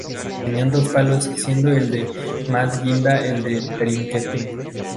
Tenían dos palos siendo el de más guinda el de trinquete.